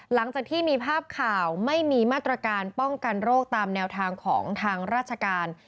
หลังจากที่มีภาพข่าวไม่มีมาตรการป้องกันโรคตามแนวทางของทางราชการ